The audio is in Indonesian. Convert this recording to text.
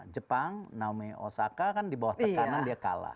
jepang naomi osaka kan di bawah tekanan dia kalah